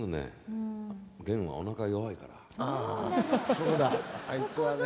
そうだあいつはね。